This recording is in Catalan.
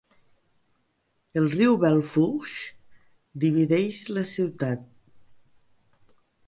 El riu Belle Fourche divideix la ciutat.